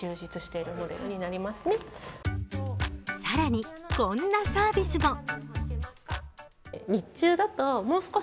更にこんなサービスも。